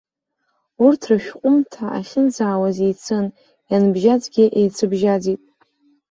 Урҭ рышәҟәымҭа ахьынӡаауаз еицын, ианбжьаӡгьы еицыбжьаӡит.